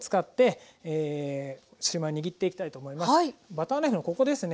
バターナイフのここですね。